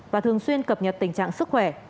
và thường xuyên cập nhật tình trạng sức khỏe